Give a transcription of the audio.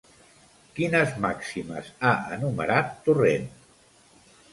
Quines màximes ha enumerat Torrent?